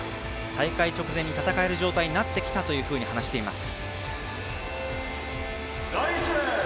大会直前に戦える状態になってきたというふうに話しています。